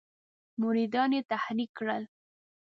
مریدان یې تحریک کړل.